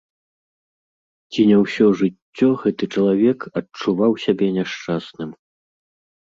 Ці не ўсё жыццё гэты чалавек адчуваў сябе няшчасным.